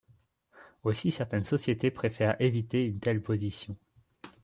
Aussi certaines sociétés préfèrent éviter une telle position.